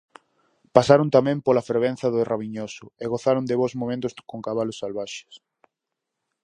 Pasaron tamén pola fervenza do Rabiñoso, e gozaron de bos momentos con cabalos salvaxes.